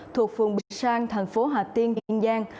thuộc phường bình sang thành phố hà tiên yên giang